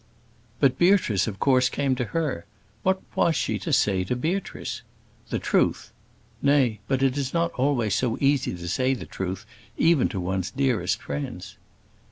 But Beatrice, of course, came to her. What was she to say to Beatrice? The truth! Nay, but it is not always so easy to say the truth, even to one's dearest friends.